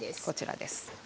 こちらです。